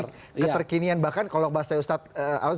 keterkinian bahkan kalau bahasa ustadz